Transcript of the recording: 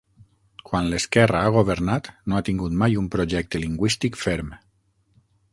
Quan l'esquerra ha governat, no ha tingut mai un projecte lingüístic ferm.